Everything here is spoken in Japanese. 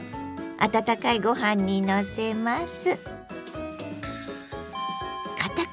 温かいご飯にのせます。